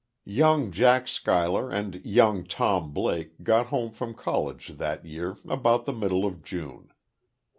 Young Jack Schuyler and young Tom Blake got home from college that year about the middle of June.